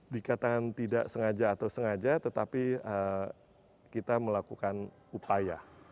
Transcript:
dikatakan tidak sengaja atau sengaja tetapi kita melakukan upaya